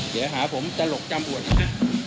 เดี๋ยวหาผมจะหลบจำอวดนะครับ